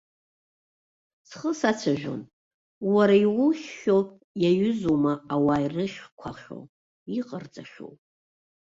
Схы сацәажәон, уара иухьхьоу иаҩызоума ауаа ирыхьқәахьоу, иҟарҵахьоу.